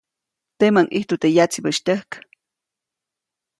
Teʼmäʼuŋ ʼijtu teʼ yatsibäʼis tyäjk.